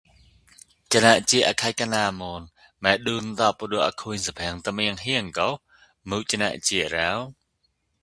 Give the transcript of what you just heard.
စၞစအခိုက်ကၞာမန်မဍုန်တိုပ်ပ္ဍဲအခိင်သဘင်တၟေင်ဟေင်ဂှ် မုစၞစရော?